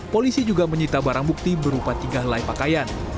polisi juga menyita barang bukti berupa tiga helai pakaian